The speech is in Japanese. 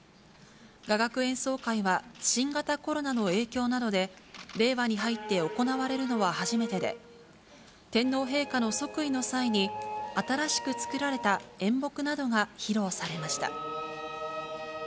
雅楽演奏会は、新型コロナの影響などで令和に入って行われるのは初めてで、天皇陛下の即位の際に新しく作られた演目などが披露されました。